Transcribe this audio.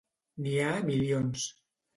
N'hi ha milions.